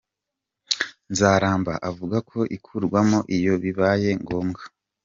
Nzaramba avuga ko ikurwamo iyo bibaye ngombwa.